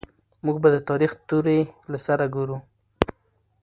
موږ به د تاريخ توري له سره ګورو.